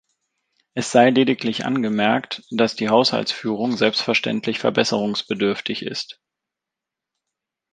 Es sei lediglich angemerkt, dass die Haushaltsführung selbstverständlich verbesserungsbedürftig ist.